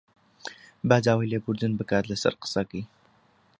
با داوای لێبوردن بکات لەسەر قسەکەی